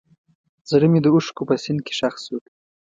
زړه مې د اوښکو په سیند کې ښخ شو.